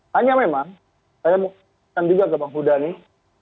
hanya memang saya mau ke bang huda nih